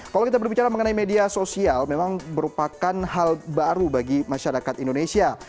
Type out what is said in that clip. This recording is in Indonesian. kalau kita berbicara mengenai media sosial memang merupakan hal baru bagi masyarakat indonesia